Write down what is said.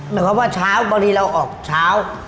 หมายความว่าเช้าบางทีเราออกเช้า